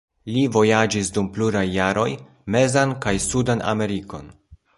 Li vojaĝis dum pluraj jaroj mezan kaj sudan Amerikon.